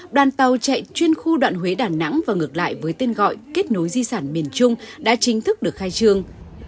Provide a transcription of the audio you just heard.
đoàn tàu chạy chuyên khu đoạn huế đà nẵng và ngược lại với tên gọi kết nối di sản miền trung đã chính thức được khai trương